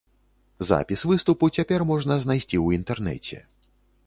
Запіс выступу цяпер можна знайсці ў інтэрнэце.